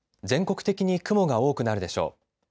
全国的に雲が多くなるでしょう。